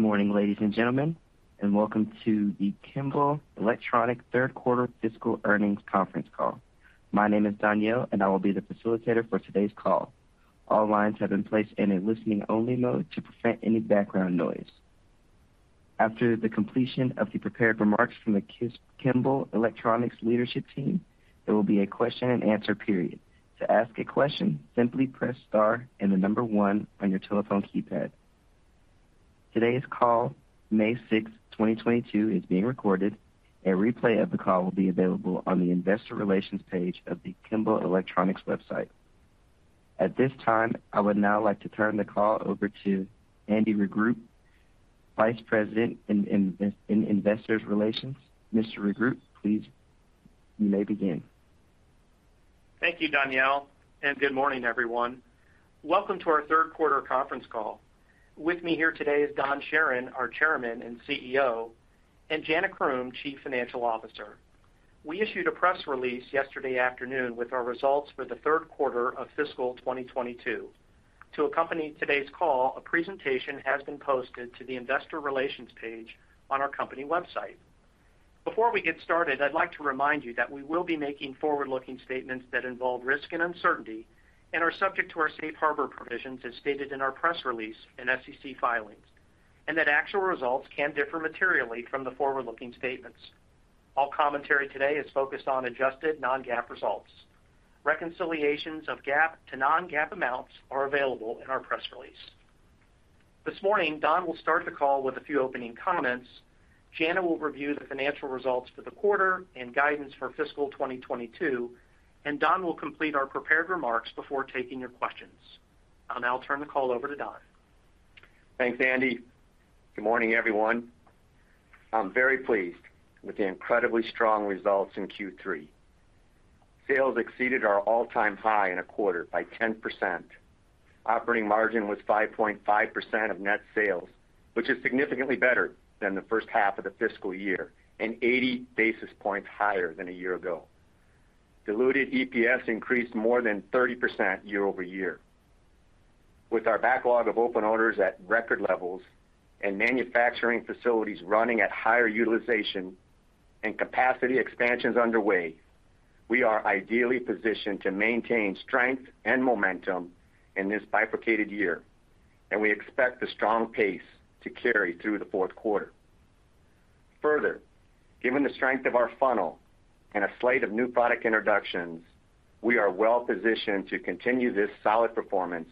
Good morning, ladies and gentlemen, and welcome to the Kimball Electronics third quarter fiscal earnings conference call. My name is Danielle, and I will be the facilitator for today's call. All lines have been placed in a listening only mode to prevent any background noise. After the completion of the prepared remarks from the Kimball Electronics leadership team, there will be a question-and-answer period. To ask a question, simply press star and the number one on your telephone keypad. Today's call, May 6th, 2022, is being recorded. A replay of the call will be available on the investor relations page of the Kimball Electronics website. At this time, I would now like to turn the call over to Andy Regrut, Vice President in Investor Relations. Mr. Regrut, please, you may begin. Thank you, Danielle, and good morning, everyone. Welcome to our third quarter conference call. With me here today is Don Charron, our Chairman and CEO, and Jana Croom, Chief Financial Officer. We issued a press release yesterday afternoon with our results for the third quarter of fiscal 2022. To accompany today's call, a presentation has been posted to the investor relations page on our company website. Before we get started, I'd like to remind you that we will be making forward-looking statements that involve risk and uncertainty and are subject to our safe harbor provisions as stated in our press release and SEC filings, and that actual results can differ materially from the forward-looking statements. All commentary today is focused on adjusted non-GAAP results. Reconciliations of GAAP to non-GAAP amounts are available in our press release. This morning, Don will start the call with a few opening comments. Jana will review the financial results for the quarter and guidance for fiscal 2022, and Don will complete our prepared remarks before taking your questions. I'll now turn the call over to Don. Thanks, Andy. Good morning, everyone. I'm very pleased with the incredibly strong results in Q3. Sales exceeded our all-time high in a quarter by 10%. Operating margin was 5.5% of net sales, which is significantly better than the first half of the fiscal year and 80 basis points higher than a year ago. Diluted EPS increased more than 30% year-over-year. With our backlog of open orders at record levels and manufacturing facilities running at higher utilization and capacity expansions underway, we are ideally positioned to maintain strength and momentum in this bifurcated year, and we expect the strong pace to carry through the fourth quarter. Further, given the strength of our funnel and a slate of new product introductions, we are well-positioned to continue this solid performance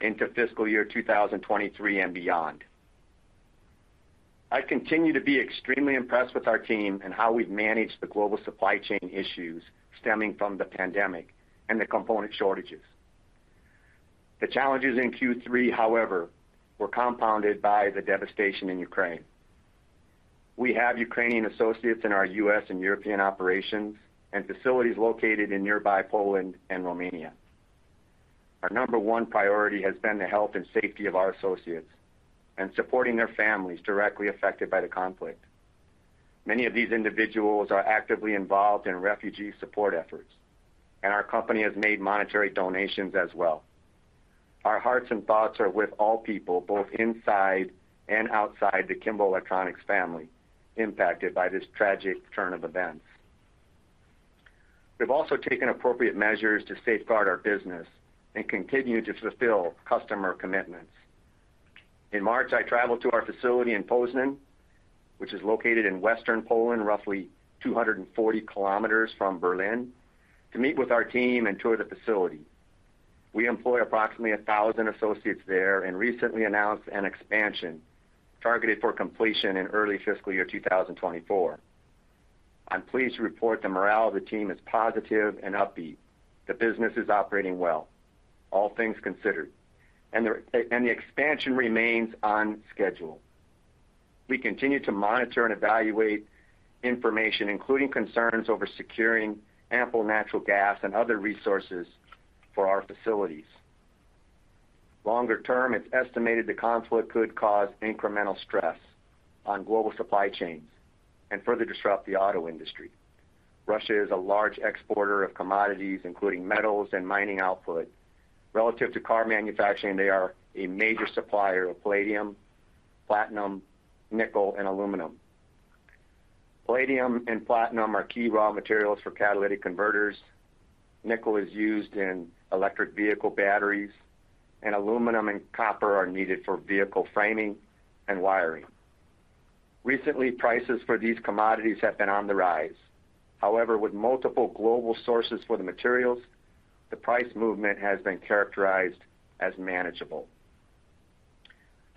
into fiscal year 2023 and beyond. I continue to be extremely impressed with our team and how we've managed the global supply chain issues stemming from the pandemic and the component shortages. The challenges in Q3, however, were compounded by the devastation in Ukraine. We have Ukrainian associates in our U.S. and European operations and facilities located in nearby Poland and Romania. Our number one priority has been the health and safety of our associates and supporting their families directly affected by the conflict. Many of these individuals are actively involved in refugee support efforts, and our company has made monetary donations as well. Our hearts and thoughts are with all people, both inside and outside the Kimball Electronics family, impacted by this tragic turn of events. We've also taken appropriate measures to safeguard our business and continue to fulfill customer commitments. In March, I traveled to our facility in Poznań, which is located in western Poland, roughly 240 km from Berlin, to meet with our team and tour the facility. We employ approximately 1,000 associates there and recently announced an expansion targeted for completion in early fiscal year 2024. I'm pleased to report the morale of the team is positive and upbeat. The business is operating well, all things considered, and the expansion remains on schedule. We continue to monitor and evaluate information, including concerns over securing ample natural gas and other resources for our facilities. Longer term, it's estimated the conflict could cause incremental stress on global supply chains and further disrupt the auto industry. Russia is a large exporter of commodities, including metals and mining output. Relative to car manufacturing, they are a major supplier of palladium, platinum, nickel, and aluminum. Palladium and platinum are key raw materials for catalytic converters. Nickel is used in electric vehicle batteries, and aluminum and copper are needed for vehicle framing and wiring. Recently, prices for these commodities have been on the rise. However, with multiple global sources for the materials, the price movement has been characterized as manageable.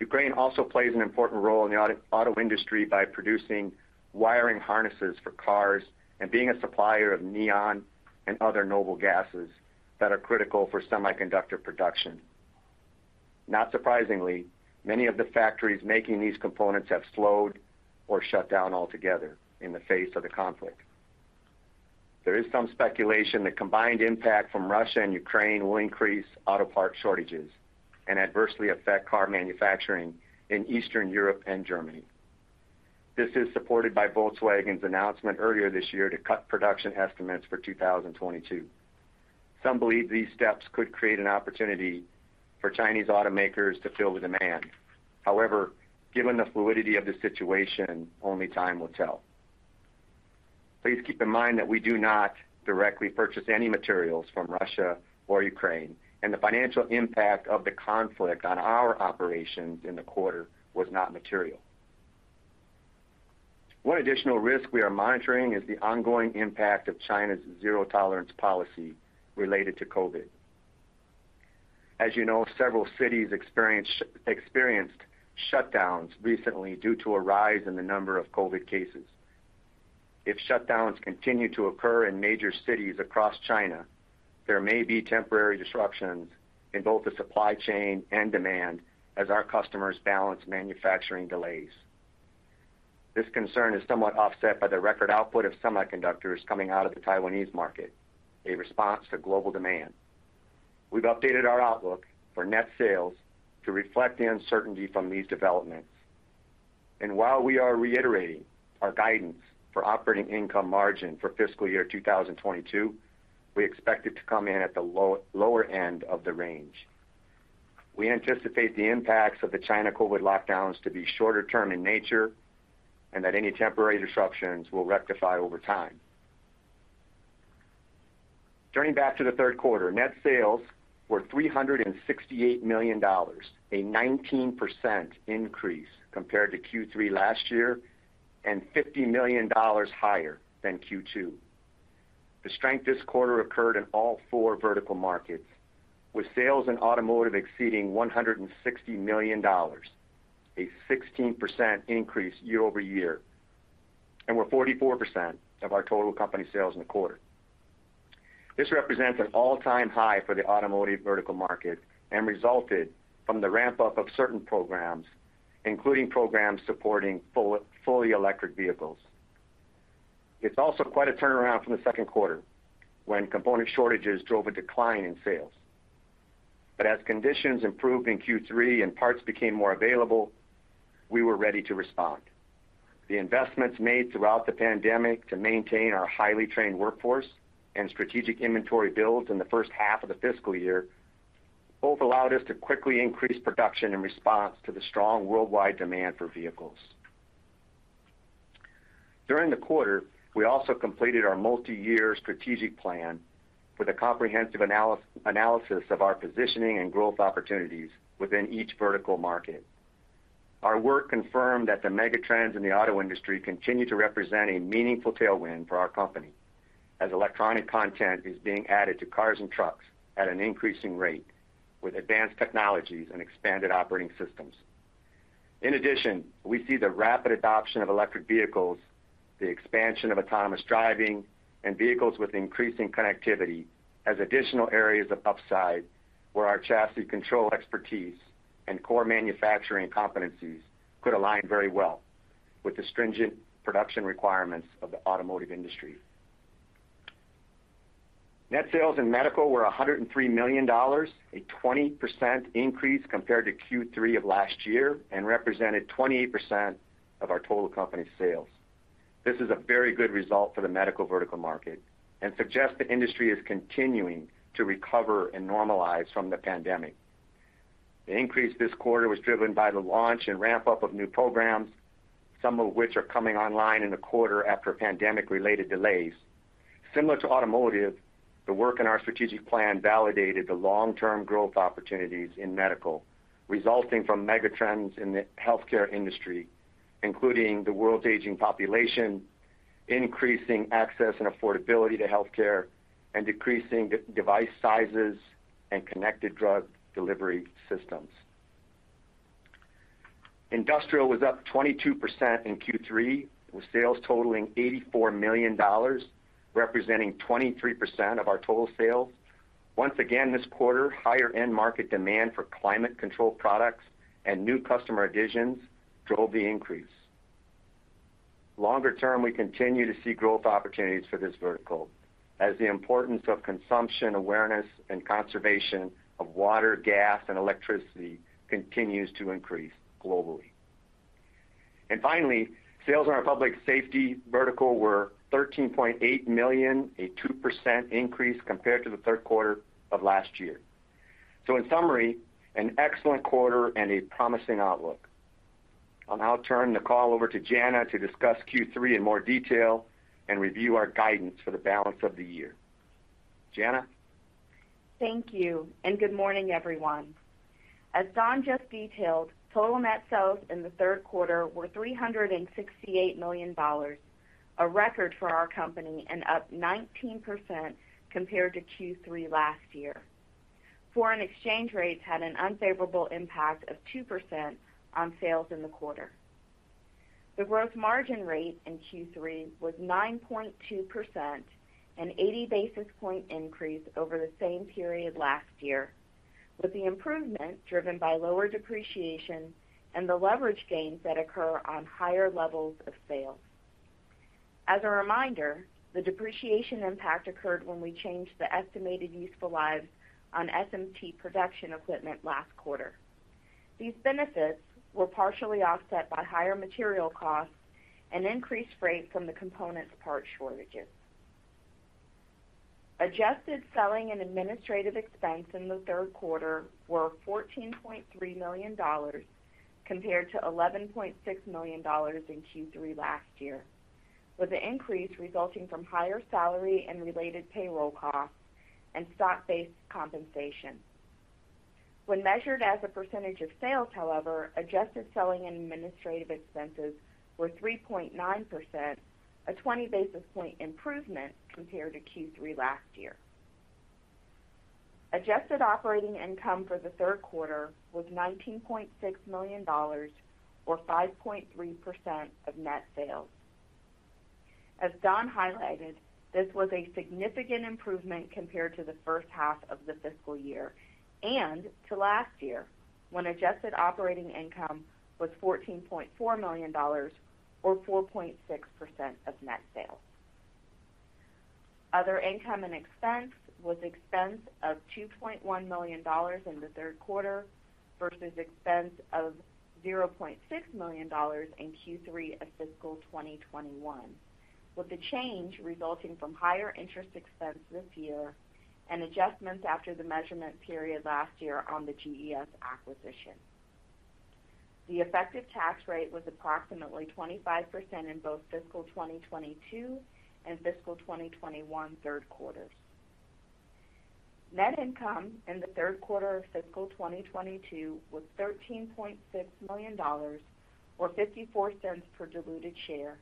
Ukraine also plays an important role in the auto industry by producing wiring harnesses for cars and being a supplier of neon and other noble gases that are critical for semiconductor production. Not surprisingly, many of the factories making these components have slowed or shut down altogether in the face of the conflict. There is some speculation the combined impact from Russia and Ukraine will increase auto part shortages and adversely affect car manufacturing in Eastern Europe and Germany. This is supported by Volkswagen's announcement earlier this year to cut production estimates for 2022. Some believe these steps could create an opportunity for Chinese automakers to fill the demand. However, given the fluidity of the situation, only time will tell. Please keep in mind that we do not directly purchase any materials from Russia or Ukraine, and the financial impact of the conflict on our operations in the quarter was not material. One additional risk we are monitoring is the ongoing impact of China's zero-tolerance policy related to COVID. As you know, several cities experienced shutdowns recently due to a rise in the number of COVID cases. If shutdowns continue to occur in major cities across China, there may be temporary disruptions in both the supply chain and demand as our customers balance manufacturing delays. This concern is somewhat offset by the record output of semiconductors coming out of the Taiwanese market, a response to global demand. We've updated our outlook for net sales to reflect the uncertainty from these developments. While we are reiterating our guidance for operating income margin for fiscal year 2022, we expect it to come in at the lower end of the range. We anticipate the impacts of the China COVID lockdowns to be shorter term in nature and that any temporary disruptions will rectify over time. Turning back to the third quarter, net sales were $368 million, a 19% increase compared to Q3 last year, and $50 million higher than Q2. The strength this quarter occurred in all four vertical markets, with sales in automotive exceeding $160 million, a 16% increase year-over-year, and were 44% of our total company sales in the quarter. This represents an all-time high for the automotive vertical market and resulted from the ramp-up of certain programs, including programs supporting fully electric vehicles. It's also quite a turnaround from the second quarter when component shortages drove a decline in sales. As conditions improved in Q3 and parts became more available, we were ready to respond. The investments made throughout the pandemic to maintain our highly trained workforce and strategic inventory builds in the first half of the fiscal year both allowed us to quickly increase production in response to the strong worldwide demand for vehicles. During the quarter, we also completed our multiyear strategic plan with a comprehensive analysis of our positioning and growth opportunities within each vertical market. Our work confirmed that the mega trends in the auto industry continue to represent a meaningful tailwind for our company as electronic content is being added to cars and trucks at an increasing rate with advanced technologies and expanded operating systems. In addition, we see the rapid adoption of electric vehicles, the expansion of autonomous driving, and vehicles with increasing connectivity as additional areas of upside where our chassis control expertise and core manufacturing competencies could align very well with the stringent production requirements of the automotive industry. Net sales in medical were $103 million, a 20% increase compared to Q3 of last year and represented 28% of our total company sales. This is a very good result for the medical vertical market and suggests the industry is continuing to recover and normalize from the pandemic. The increase this quarter was driven by the launch and ramp-up of new programs, some of which are coming online in the quarter after pandemic-related delays. Similar to automotive, the work in our strategic plan validated the long-term growth opportunities in medical, resulting from megatrends in the healthcare industry, including the world's aging population, increasing access and affordability to healthcare, and decreasing device sizes and connected drug delivery systems. Industrial was up 22% in Q3, with sales totaling $84 million, representing 23% of our total sales. Once again this quarter, higher-end market demand for climate control products and new customer additions drove the increase. Longer term, we continue to see growth opportunities for this vertical as the importance of consumption awareness and conservation of water, gas, and electricity continues to increase globally. Finally, sales in our public safety vertical were $13.8 million, a 2% increase compared to the third quarter of last year. In summary, an excellent quarter and a promising outlook. I'll now turn the call over to Jana to discuss Q3 in more detail and review our guidance for the balance of the year. Jana? Thank you, and good morning, everyone. As Don just detailed, total net sales in the third quarter were $368 million, a record for our company and up 19% compared to Q3 last year. Foreign exchange rates had an unfavorable impact of 2% on sales in the quarter. The gross margin rate in Q3 was 9.2%, an 80 basis points increase over the same period last year, with the improvement driven by lower depreciation and the leverage gains that occur on higher levels of sales. As a reminder, the depreciation impact occurred when we changed the estimated useful lives on SMT production equipment last quarter. These benefits were partially offset by higher material costs and increased freight from the components part shortages. Adjusted selling and administrative expense in the third quarter were $14.3 million compared to $11.6 million in Q3 last year, with the increase resulting from higher salary and related payroll costs and stock-based compensation. When measured as a percentage of sales, however, adjusted selling and administrative expenses were 3.9%, a 20 basis point improvement compared to Q3 last year. Adjusted operating income for the third quarter was $19.6 million or 5.3% of net sales. As Don highlighted, this was a significant improvement compared to the first half of the fiscal year and to last year, when adjusted operating income was $14.4 million or 4.6% of net sales. Other income and expense was expense of $2.1 million in the third quarter versus expense of $0.6 million in Q3 of fiscal 2021, with the change resulting from higher interest expense this year and adjustments after the measurement period last year on the GES acquisition. The effective tax rate was approximately 25% in both fiscal 2022 and fiscal 2021 third quarters. Net income in the third quarter of fiscal 2022 was $13.6 million or $0.54 per diluted share,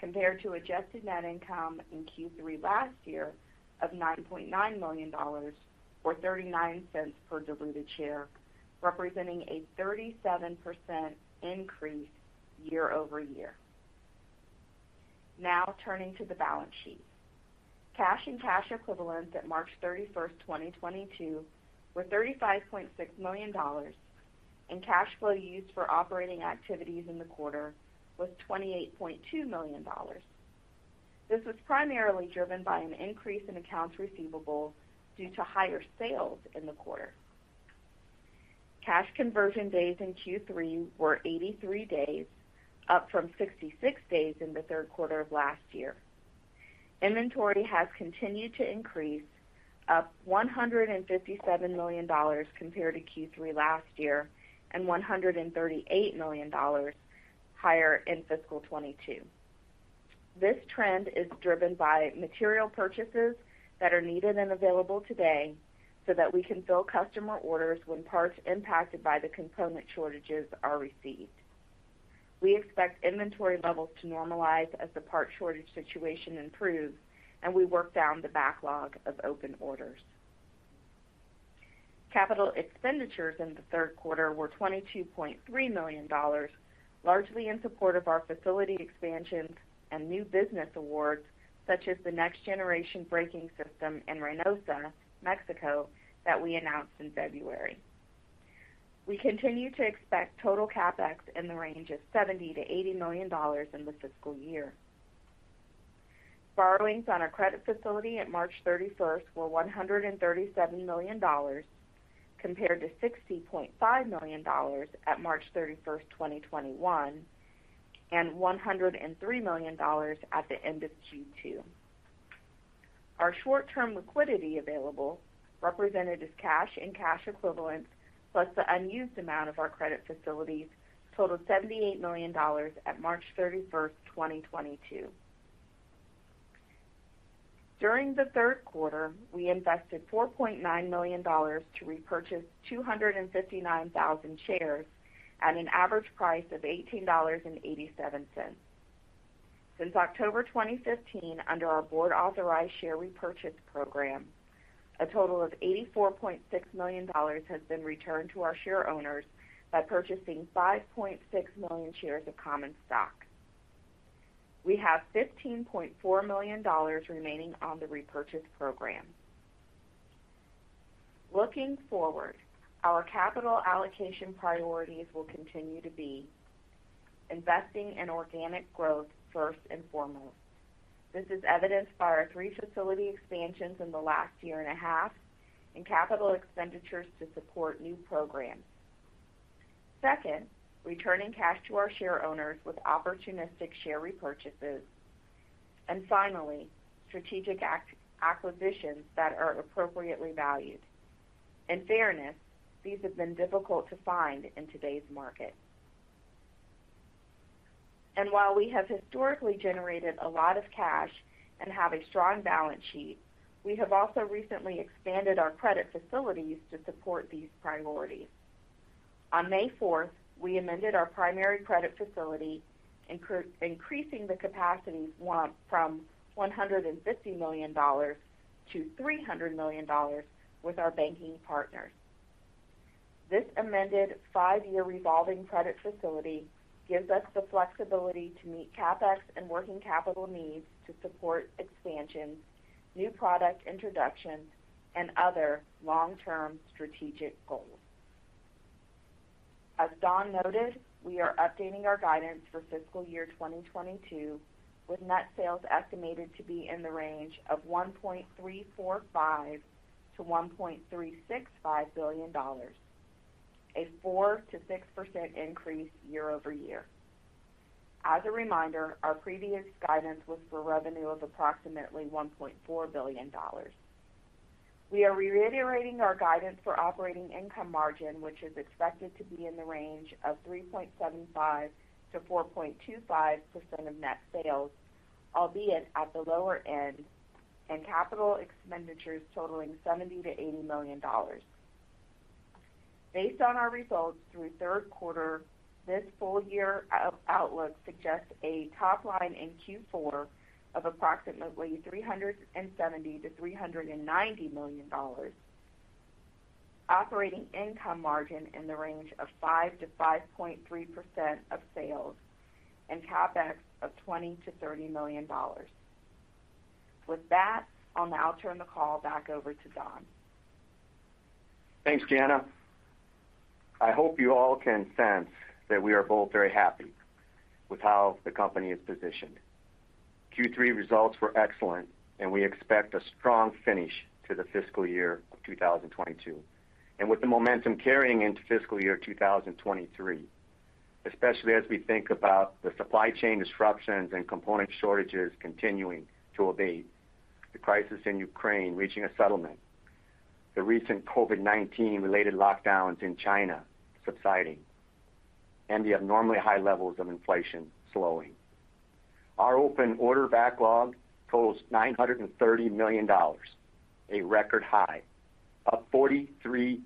compared to adjusted net income in Q3 last year of $9.9 million or $0.39 per diluted share, representing a 37% increase year over year. Now turning to the balance sheet. Cash and cash equivalents at March 31st, 2022, were $35.6 million, and cash flow used for operating activities in the quarter was $28.2 million. This was primarily driven by an increase in accounts receivable due to higher sales in the quarter. Cash conversion days in Q3 were 83 days, up from 66 days in the third quarter of last year. Inventory has continued to increase, up $157 million compared to Q3 last year and $138 million higher in fiscal 2022. This trend is driven by material purchases that are needed and available today so that we can fill customer orders when parts impacted by the component shortages are received. We expect inventory levels to normalize as the part shortage situation improves and we work down the backlog of open orders. Capital expenditures in the third quarter were $22.3 million, largely in support of our facility expansions and new business awards, such as the next generation braking system in Reynosa, Mexico, that we announced in February. We continue to expect total CapEx in the range of $70-$80 million in the fiscal year. Borrowings on our credit facility at March 31st were $137 million compared to $60.5 million at March 31st, 2021, and $103 million at the end of Q2. Our short-term liquidity available, represented as cash and cash equivalents plus the unused amount of our credit facilities, totaled $78 million at March 31st, 2022. During the third quarter, we invested $4.9 million to repurchase 259,000 shares at an average price of $18.87. Since October 2015, under our board authorized share repurchase program, a total of $84.6 million has been returned to our shareowners by purchasing 5.6 million shares of common stock. We have $15.4 million remaining on the repurchase program. Looking forward, our capital allocation priorities will continue to be investing in organic growth first and foremost. This is evidenced by our three facility expansions in the last year and a half and capital expenditures to support new programs. Second, returning cash to our shareowners with opportunistic share repurchases. Finally, strategic acquisitions that are appropriately valued. In fairness, these have been difficult to find in today's market. While we have historically generated a lot of cash and have a strong balance sheet, we have also recently expanded our credit facilities to support these priorities. On May fourth, we amended our primary credit facility, increasing the capacity from $150 million-$300 million with our banking partners. This amended five-year revolving credit facility gives us the flexibility to meet CapEx and working capital needs to support expansions, new product introductions, and other long-term strategic goals. As Don noted, we are updating our guidance for fiscal year 2022, with net sales estimated to be in the range of $1.345 billion-$1.365 billion, a 4%-6% increase year-over-year. As a reminder, our previous guidance was for revenue of approximately $1.4 billion. We are reiterating our guidance for operating income margin, which is expected to be in the range of 3.75%-4.25% of net sales, albeit at the lower end, and capital expenditures totaling $70 million-$80 million. Based on our results through third quarter, this full year outlook suggests a top line in Q4 of approximately $370 million-$390 million, operating income margin in the range of 5%-5.3% of sales, and CapEx of $20 million-$30 million. With that, I'll now turn the call back over to Don. Thanks, Jana. I hope you all can sense that we are both very happy with how the company is positioned. Q3 results were excellent, and we expect a strong finish to the fiscal year of 2022. With the momentum carrying into fiscal year 2023, especially as we think about the supply chain disruptions and component shortages continuing to abate, the crisis in Ukraine reaching a settlement, the recent COVID-19 related lockdowns in China subsiding, and the abnormally high levels of inflation slowing. Our open order backlog totals $930 million, a record high, up 43%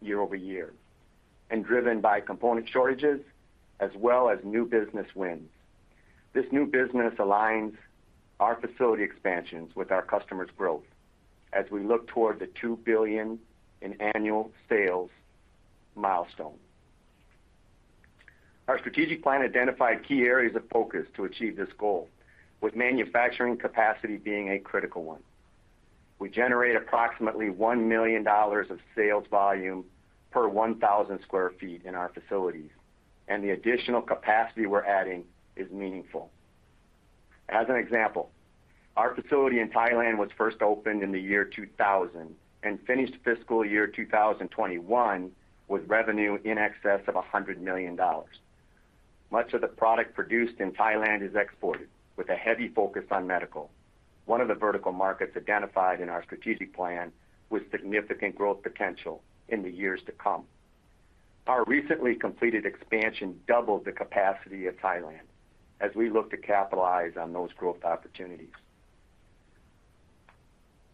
year-over-year, and driven by component shortages as well as new business wins. This new business aligns our facility expansions with our customers' growth as we look toward the $2 billion in annual sales milestone. Our strategic plan identified key areas of focus to achieve this goal, with manufacturing capacity being a critical one. We generate approximately $1 million of sales volume per 1,000 sq ft in our facilities, and the additional capacity we're adding is meaningful. As an example, our facility in Thailand was first opened in the year 2000 and finished fiscal year 2021 with revenue in excess of $100 million. Much of the product produced in Thailand is exported with a heavy focus on medical, one of the vertical markets identified in our strategic plan with significant growth potential in the years to come. Our recently completed expansion doubled the capacity of Thailand as we look to capitalize on those growth opportunities.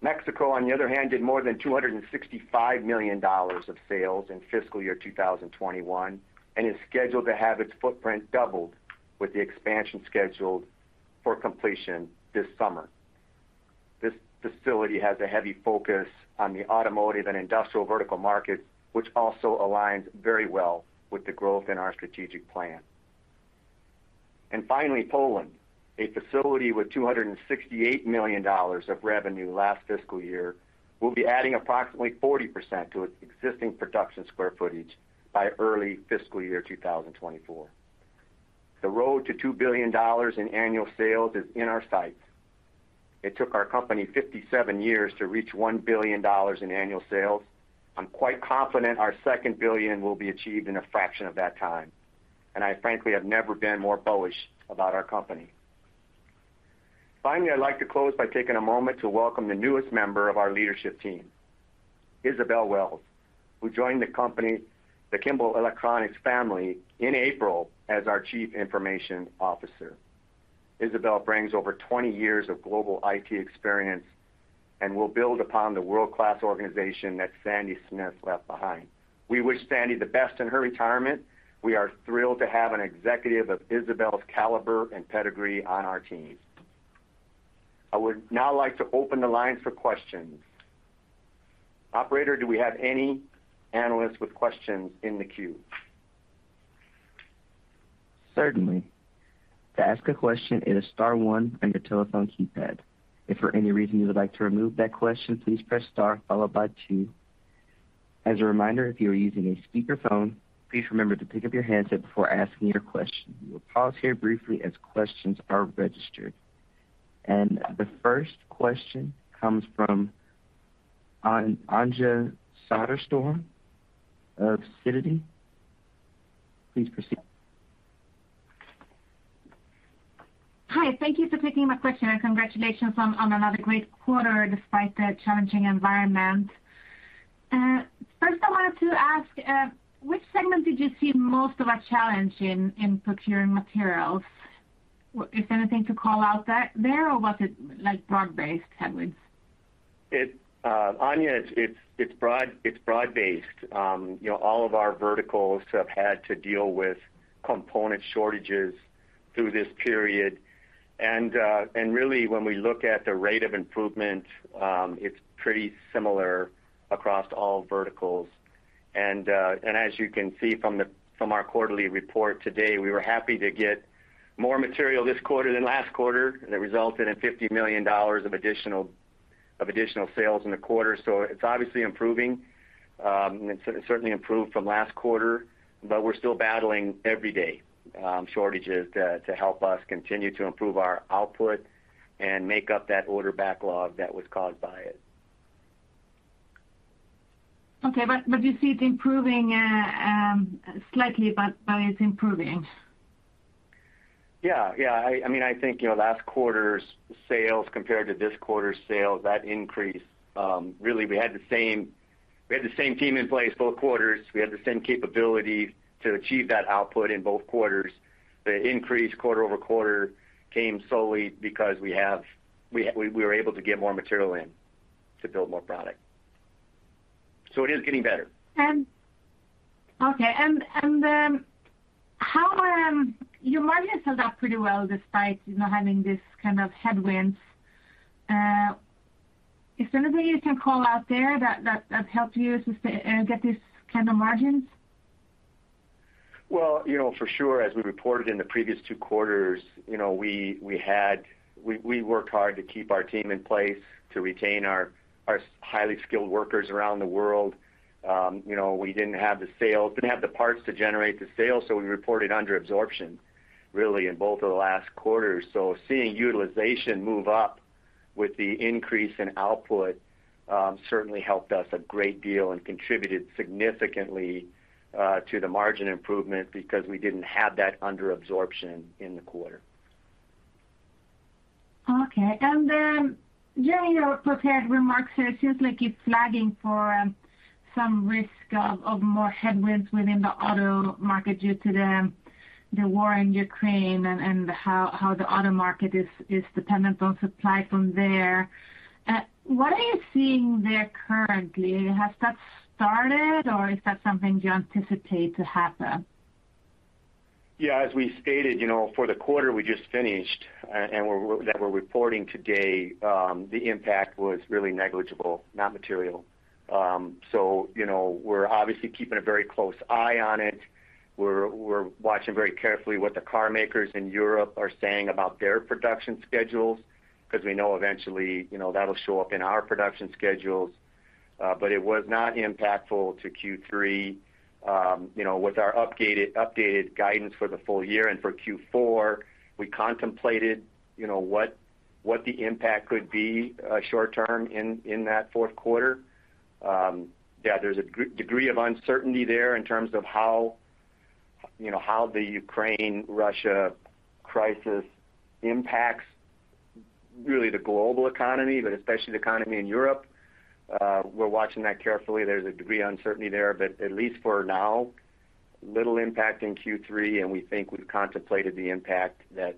Mexico, on the other hand, did more than $265 million of sales in fiscal year 2021 and is scheduled to have its footprint doubled with the expansion scheduled for completion this summer. This facility has a heavy focus on the automotive and industrial vertical markets, which also aligns very well with the growth in our strategic plan. Finally, Poland, a facility with $268 million of revenue last fiscal year, will be adding approximately 40% to its existing production square footage by early fiscal year 2024. The road to $2 billion in annual sales is in our sights. It took our company 57 years to reach $1 billion in annual sales. I'm quite confident our second billion will be achieved in a fraction of that time, and I frankly have never been more bullish about our company. Finally, I'd like to close by taking a moment to welcome the newest member of our leadership team, Isabel Wells, who joined the company, the Kimball Electronics family in April as our Chief Information Officer. Isabel brings over 20 years of global IT experience and will build upon the world-class organization that Sandy Smith left behind. We wish Sandy the best in her retirement. We are thrilled to have an executive of Isabel's caliber and pedigree on our team. I would now like to open the lines for questions. Operator, do we have any analysts with questions in the queue? Certainly. To ask a question, it is star one on your telephone keypad. If for any reason you would like to remove that question, please press star followed by two. As a reminder, if you are using a speakerphone, please remember to pick up your handset before asking your question. We will pause here briefly as questions are registered. The first question comes from Anja Soderstrom of Sidoti. Please proceed. Hi, thank you for taking my question, and congratulations on another great quarter despite the challenging environment. First I wanted to ask, which segment did you see most of a challenge in procuring materials? Is there anything to call out there or was it, like, broad-based headwinds? Anja, it's broad-based. You know, all of our verticals have had to deal with component shortages through this period. Really when we look at the rate of improvement, it's pretty similar across all verticals. As you can see from our quarterly report today, we were happy to get more material this quarter than last quarter, and it resulted in $50 million of additional sales in the quarter. It's obviously improving. It certainly improved from last quarter, but we're still battling every day shortages to help us continue to improve our output and make up that order backlog that was caused by it. Okay. You see it improving slightly, but it's improving. I mean, I think, you know, last quarter's sales compared to this quarter's sales, that increase, really, we had the same team in place both quarters. We had the same capability to achieve that output in both quarters. The increase quarter-over-quarter came solely because we were able to get more material in to build more product. It is getting better. How your margin has held up pretty well despite not having this kind of headwinds. Is there anything you can call out there that helped you get these kind of margins? Well, you know, for sure, as we reported in the previous two quarters, you know, we worked hard to keep our team in place to retain our highly skilled workers around the world. You know, we didn't have the sales, didn't have the parts to generate the sales, so we reported under absorption really in both of the last quarters. Seeing utilization move up with the increase in output certainly helped us a great deal and contributed significantly to the margin improvement because we didn't have that under absorption in the quarter. Okay. Then during your prepared remarks here, it seems like you're flagging for some risk of more headwinds within the auto market due to the war in Ukraine and how the auto market is dependent on supply from there. What are you seeing there currently? Has that started or is that something you anticipate to happen? Yeah, as we stated, you know, for the quarter we just finished that we're reporting today, the impact was really negligible, not material. You know, we're obviously keeping a very close eye on it. We're watching very carefully what the car makers in Europe are saying about their production schedules, because we know eventually, you know, that'll show up in our production schedules. It was not impactful to Q3. You know, with our updated guidance for the full year and for Q4, we contemplated, you know, what the impact could be, short term in that fourth quarter. Yeah, there's a degree of uncertainty there in terms of how, you know, how the Ukraine-Russia crisis impacts really the global economy, but especially the economy in Europe. We're watching that carefully. There's a degree of uncertainty there. At least for now, little impact in Q3, and we think we've contemplated the impact that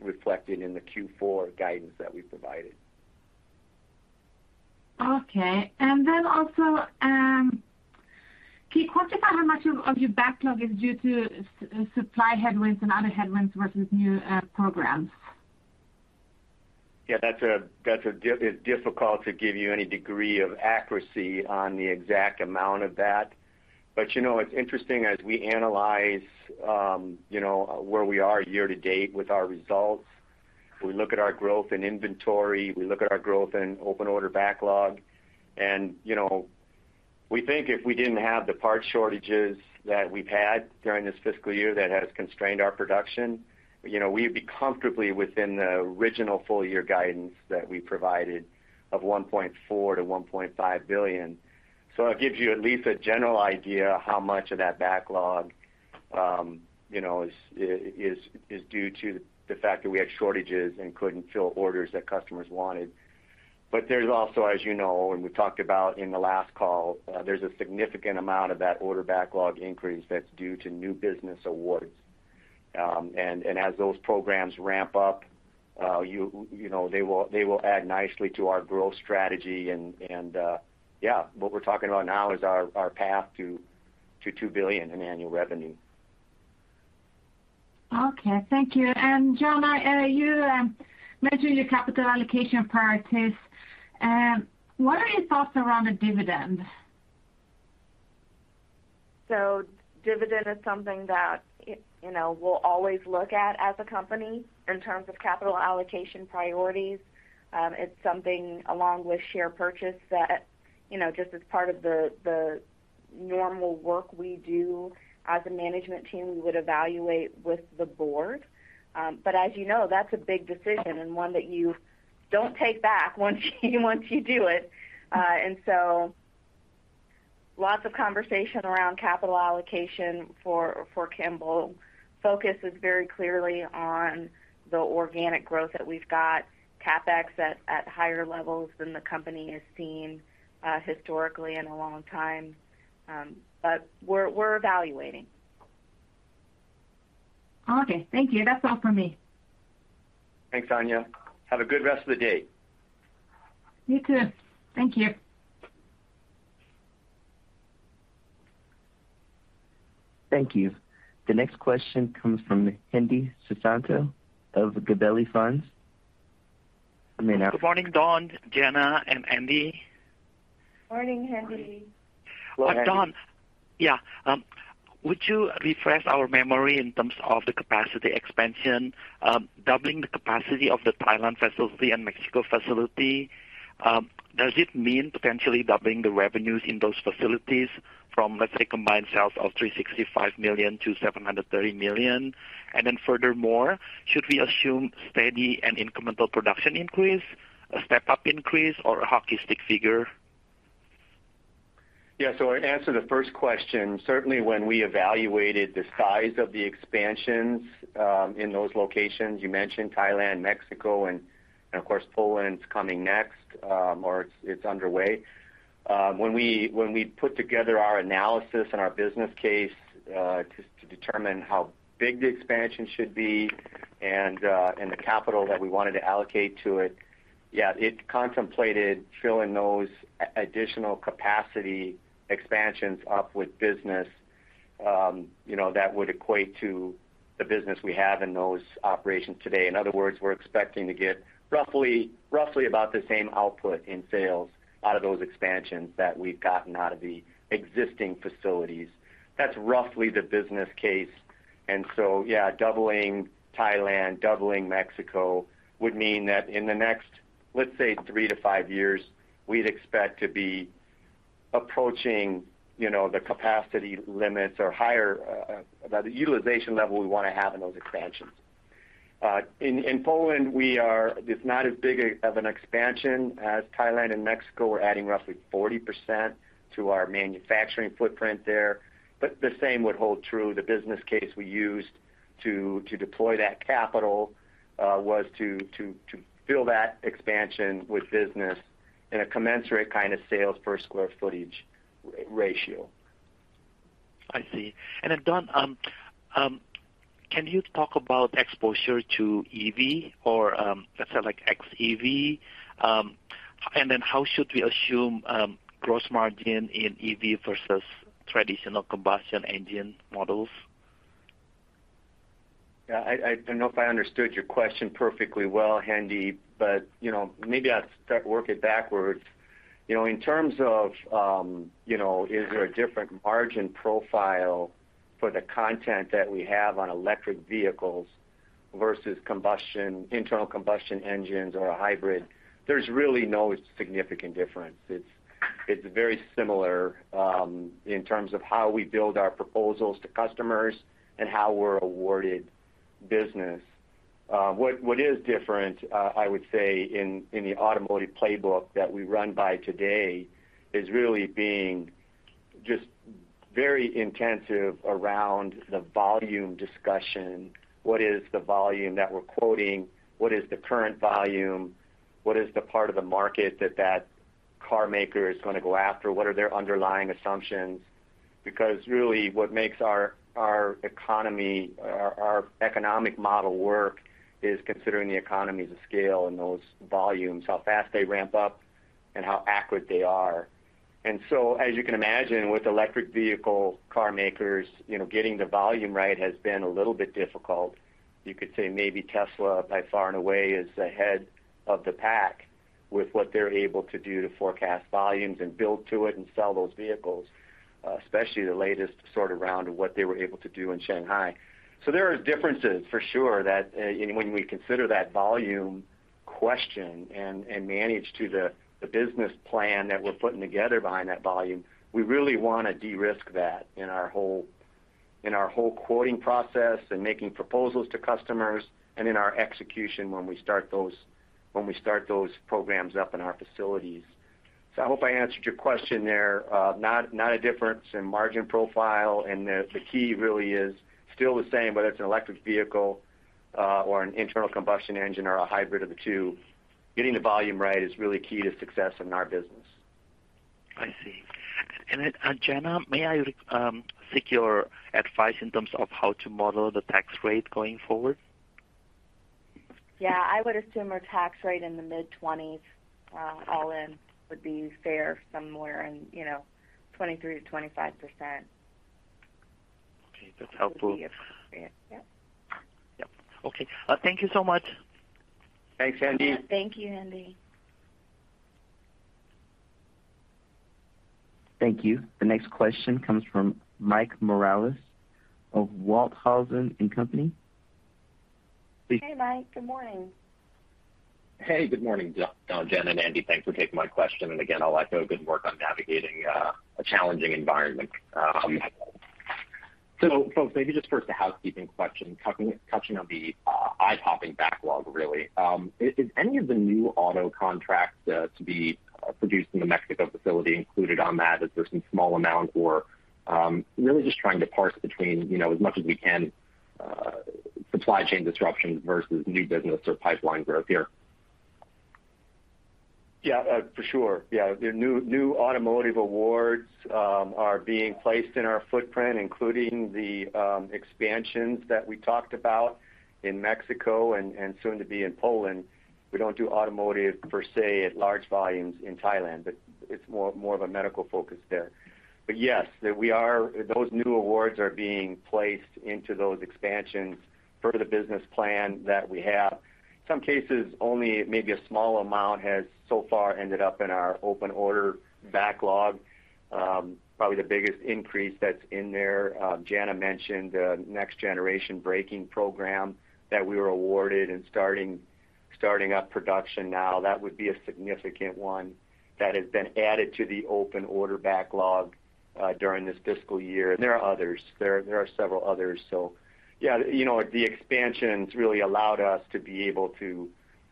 reflected in the Q4 guidance that we provided. Okay. Can you quantify how much of your backlog is due to supply headwinds and other headwinds versus new programs? Yeah, it's difficult to give you any degree of accuracy on the exact amount of that. You know, it's interesting as we analyze, you know, where we are year to date with our results. We look at our growth in inventory, we look at our growth in open order backlog. You know, we think if we didn't have the parts shortages that we've had during this fiscal year that has constrained our production, you know, we'd be comfortably within the original full year guidance that we provided of $1.4 billion-$1.5 billion. It gives you at least a general idea how much of that backlog, you know, is due to the fact that we had shortages and couldn't fill orders that customers wanted. There's also, as you know, and we've talked about in the last call, there's a significant amount of that order backlog increase that's due to new business awards. And as those programs ramp up, you know, they will add nicely to our growth strategy and, what we're talking about now is our path to $2 billion in annual revenue. Okay. Thank you. Jana, you mentioned your capital allocation priorities. What are your thoughts around the dividend? Dividend is something that, you know, we'll always look at as a company in terms of capital allocation priorities. It's something along with share purchase that, you know, just as part of the normal work we do as a management team, we would evaluate with the board. But as you know, that's a big decision and one that you don't take back once you do it. Lots of conversation around capital allocation for Kimball. Focus is very clearly on the organic growth that we've got, CapEx at higher levels than the company has seen historically in a long time. We're evaluating. Okay. Thank you. That's all for me. Thanks, Anja. Have a good rest of the day. You too. Thank you. Thank you. The next question comes from Hendi Susanto of Gabelli Funds. You may now. Good morning, Don, Jana, and Andy. Morning, Hendi. Morning. Don, yeah. Would you refresh our memory in terms of the capacity expansion, doubling the capacity of the Thailand facility and Mexico facility, does it mean potentially doubling the revenues in those facilities from, let's say, combined sales of $365 million-$730 million? Furthermore, should we assume steady and incremental production increase, a step-up increase or a hockey stick figure? Yeah. In answer to the first question, certainly when we evaluated the size of the expansions in those locations, you mentioned Thailand, Mexico, and of course, Poland's coming next, or it's underway. When we put together our analysis and our business case to determine how big the expansion should be and the capital that we wanted to allocate to it, yeah, it contemplated filling those additional capacity expansions up with business, you know, that would equate to the business we have in those operations today. In other words, we're expecting to get roughly about the same output in sales out of those expansions that we've gotten out of the existing facilities. That's roughly the business case. Doubling Thailand, doubling Mexico would mean that in the next, let's say, three-five years, we'd expect to be approaching, you know, the capacity limits or higher, the utilization level we wanna have in those expansions. In Poland, it's not as big of an expansion as Thailand and Mexico. We're adding roughly 40% to our manufacturing footprint there. The same would hold true. The business case we used to fill that expansion with business in a commensurate kind of sales per square footage ratio. I see. Don, can you talk about exposure to EV or let's say like xEV? How should we assume gross margin in EV versus traditional combustion engine models? Yeah, I don't know if I understood your question perfectly well, Hendi, but you know, maybe I'll start working it backwards. You know, in terms of, you know, is there a different margin profile for the content that we have on electric vehicles versus internal combustion engines or a hybrid, there's really no significant difference. It's very similar in terms of how we build our proposals to customers and how we're awarded business. What is different, I would say in the automotive playbook that we run by today, is really being just very intensive around the volume discussion. What is the volume that we're quoting? What is the current volume? What is the part of the market that carmaker is gonna go after? What are their underlying assumptions? Because really what makes our economy, our economic model work is considering the economies of scale and those volumes, how fast they ramp up and how accurate they are. As you can imagine, with electric vehicle carmakers, you know, getting the volume right has been a little bit difficult. You could say maybe Tesla by far and away is ahead of the pack with what they're able to do to forecast volumes and build to it and sell those vehicles, especially the latest sort of round of what they were able to do in Shanghai. There is differences for sure that, when we consider that volume question and manage to the business plan that we're putting together behind that volume, we really wanna de-risk that in our whole quoting process and making proposals to customers and in our execution when we start those programs up in our facilities. I hope I answered your question there. Not a difference in margin profile, and the key really is still the same, whether it's an electric vehicle or an internal combustion engine or a hybrid of the two. Getting the volume right is really key to success in our business. I see. Jana, may I seek your advice in terms of how to model the tax rate going forward? Yeah. I would assume our tax rate in the mid-2020s, all-in would be fair somewhere in, you know, 23%-25%. Okay. That's helpful. Yeah. Yep. Okay. Thank you so much. Thanks, Hendi. Thank you, Hendi. Thank you. The next question comes from Mike Crawford of B. Riley Securities. Please- Hey, Mike. Good morning. Hey, good morning, Jana and Andy. Thanks for taking my question. Again, all that good work on navigating a challenging environment. Maybe just first a housekeeping question, touching on the eye-popping backlog really. Is any of the new auto contracts to be produced in the Mexico facility included on that? Is there some small amount or really just trying to parse between, you know, as much as we can, supply chain disruptions versus new business or pipeline growth here. Yeah, for sure. Yeah. The new automotive awards are being placed in our footprint, including the expansions that we talked about in Mexico and soon to be in Poland. We don't do automotive per se at large volumes in Thailand, but it's more of a medical focus there. Yes, those new awards are being placed into those expansions per the business plan that we have. Some cases, only maybe a small amount has so far ended up in our open order backlog. Probably the biggest increase that's in there, Jana mentioned, next generation braking program that we were awarded and starting up production now, that would be a significant one that has been added to the open order backlog during this fiscal year. There are others. There are several others. Yeah, you know, the expansions really allowed us to be able to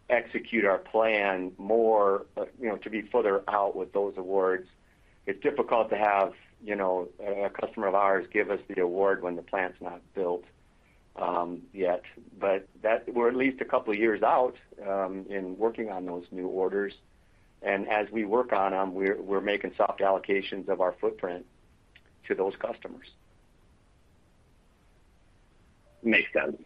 execute our plan more, you know, to be further out with those awards. It's difficult to have, you know, a customer of ours give us the award when the plant's not built, yet. That we're at least a couple of years out, in working on those new orders. As we work on them, we're making soft allocations of our footprint to those customers. Makes sense.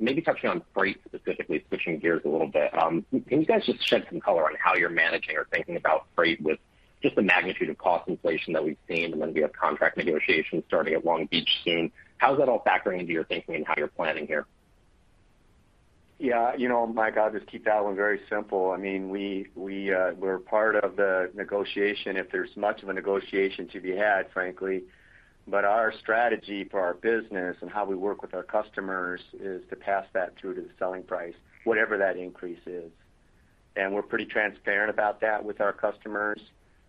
Maybe touching on freight specifically, switching gears a little bit, can you guys just shed some color on how you're managing or thinking about freight with just the magnitude of cost inflation that we've seen, and then we have contract negotiations starting at Long Beach soon. How is that all factoring into your thinking and how you're planning here? Yeah, you know, Mike, I'll just keep that one very simple. I mean, we're part of the negotiation, if there's much of a negotiation to be had, frankly. Our strategy for our business and how we work with our customers is to pass that through to the selling price, whatever that increase is. We're pretty transparent about that with our customers.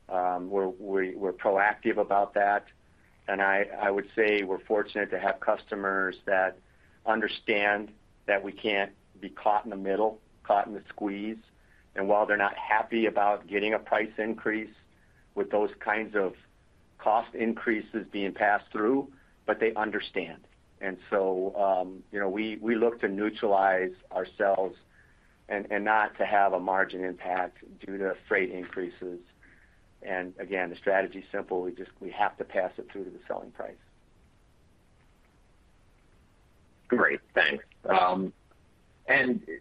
We're proactive about that. I would say we're fortunate to have customers that understand that we can't be caught in the middle, caught in the squeeze. While they're not happy about getting a price increase with those kinds of cost increases being passed through, but they understand. You know, we look to neutralize ourselves and not to have a margin impact due to freight increases. Again, the strategy is simple. We have to pass it through to the selling price. Great. Thanks.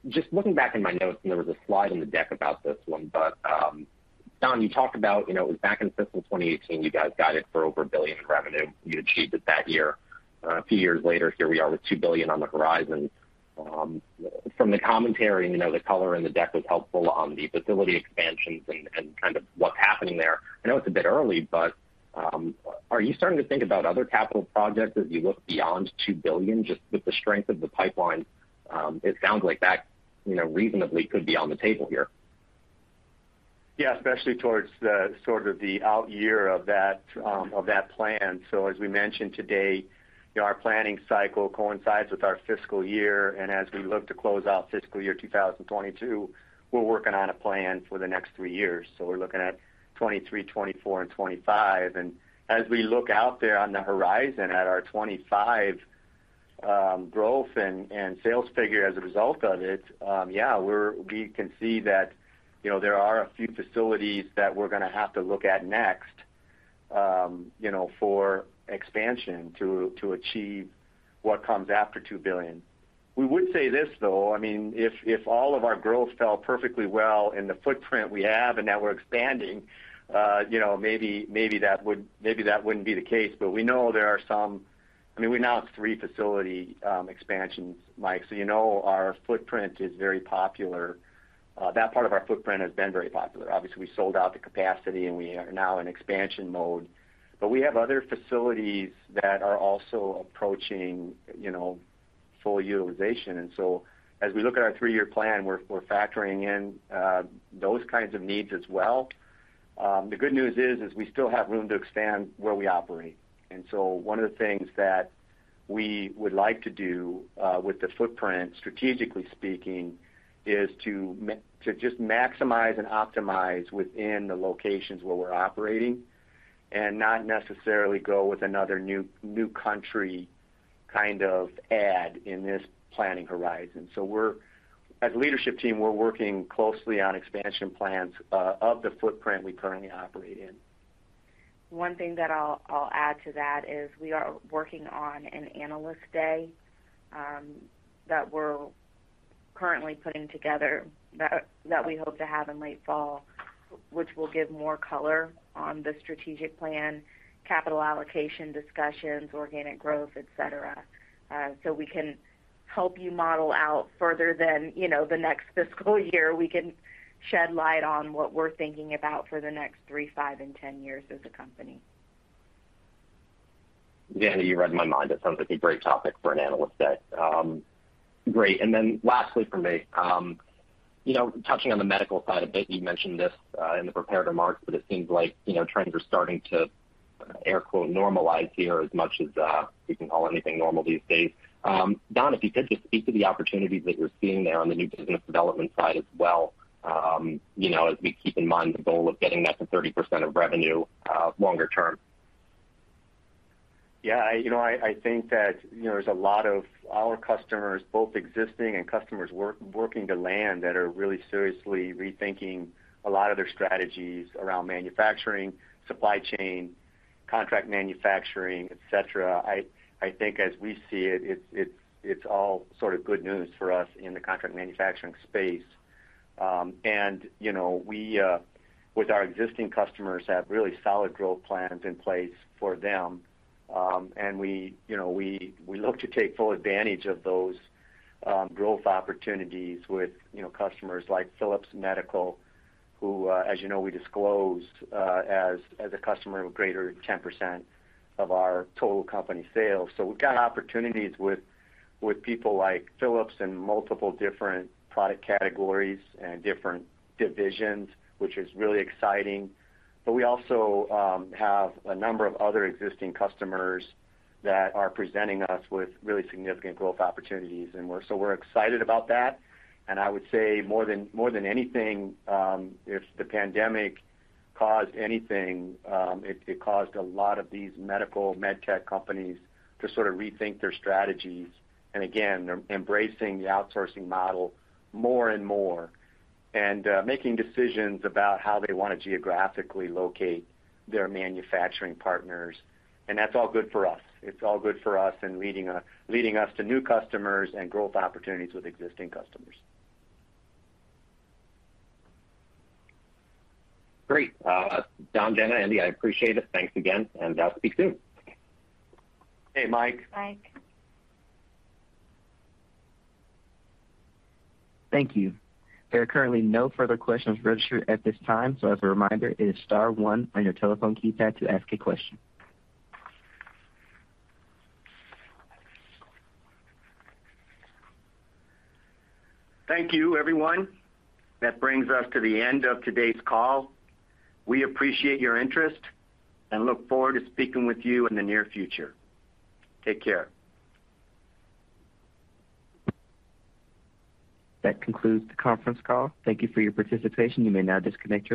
Just looking back in my notes, there was a slide in the deck about this one, but Don, you talked about, you know, back in fiscal 2018, you guys guided for over $1 billion in revenue. You achieved it that year. A few years later, here we are with $2 billion on the horizon. From the commentary, you know, the color in the deck was helpful on the facility expansions and kind of what's happening there. I know it's a bit early, but are you starting to think about other capital projects as you look beyond $2 billion just with the strength of the pipeline? It sounds like that, you know, reasonably could be on the table here. Yeah, especially towards the sort of the out year of that plan. As we mentioned today, our planning cycle coincides with our fiscal year. As we look to close out fiscal year 2022, we're working on a plan for the next three years. We're looking at 2023, 2024 and 2025. As we look out there on the horizon at our 2025 growth and sales figure as a result of it, yeah, we can see that, you know, there are a few facilities that we're gonna have to look at next, you know, for expansion to achieve what comes after $2 billion. We would say this, though, I mean, if all of our growth fell perfectly well in the footprint we have and that we're expanding, you know, maybe that wouldn't be the case. We know there are some. I mean, we now have three facility expansions, Mike, so you know our footprint is very popular. That part of our footprint has been very popular. Obviously, we sold out the capacity, and we are now in expansion mode. We have other facilities that are also approaching, you know, full utilization. As we look at our three-year plan, we're factoring in those kinds of needs as well. The good news is we still have room to expand where we operate. One of the things that we would like to do with the footprint, strategically speaking, is to just maximize and optimize within the locations where we're operating and not necessarily go with another new country kind of add in this planning horizon. As a leadership team, we're working closely on expansion plans of the footprint we currently operate in. One thing that I'll add to that is we are working on an analyst day that we're currently putting together that we hope to have in late fall, which will give more color on the strategic plan, capital allocation discussions, organic growth, et cetera. We can help you model out further than, you know, the next fiscal year. We can shed light on what we're thinking about for the next three, five, and ten years as a company. Jana, you read my mind. It sounds like a great topic for an analyst day. Great. Lastly from me, you know, touching on the medical side a bit, you mentioned this in the prepared remarks, but it seems like, you know, trends are starting to air quote "normalize" here as much as we can call anything normal these days. Don, if you could just speak to the opportunities that you're seeing there on the new business development side as well, you know, as we keep in mind the goal of getting that to 30% of revenue longer term. Yeah. You know, I think that, you know, there's a lot of our customers, both existing and customers working to land that are really seriously rethinking a lot of their strategies around manufacturing, supply chain, contract manufacturing, et cetera. I think as we see it's all sort of good news for us in the contract manufacturing space. You know, with our existing customers, have really solid growth plans in place for them. We look to take full advantage of those growth opportunities with customers like Philips Healthcare, who, as you know, we disclosed, as a customer of greater than 10% of our total company sales. We've got opportunities with people like Philips in multiple different product categories and different divisions, which is really exciting. We also have a number of other existing customers that are presenting us with really significant growth opportunities, and so we're excited about that. I would say more than anything, if the pandemic caused anything, it caused a lot of these medical and med tech companies to sort of rethink their strategies and again, they're embracing the outsourcing model more and more and making decisions about how they wanna geographically locate their manufacturing partners. That's all good for us. It's all good for us and leading us to new customers and growth opportunities with existing customers. Great. Don, Jana, Andy, I appreciate it. Thanks again, and I'll speak soon. Okay, Mike. Bye. Thank you. There are currently no further questions registered at this time. As a reminder, it is star one on your telephone keypad to ask a question. Thank you, everyone. That brings us to the end of today's call. We appreciate your interest and look forward to speaking with you in the near future. Take care. That concludes the conference call. Thank you for your participation. You may now disconnect your-